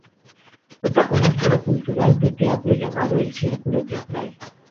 Cuenta con un foro cultural de Teatro llamado "El Círculo Teatral".